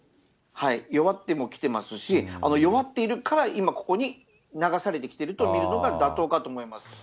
弱ってもきてますし、弱っているから、今ここに流されてきてると見るのが妥当かと思います。